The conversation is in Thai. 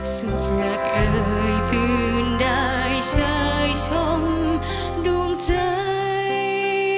สุดรักเอ่ยคืนได้ชายชมดวงใจ